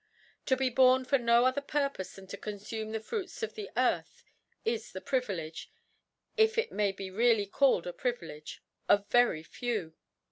To be bom for no other Purpofe than to confume the Fruits of the F.arth is the Privilege (if if may be called a Privilege) of very few.